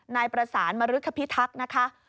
นายประสานมริคพิทักษ์นะคะ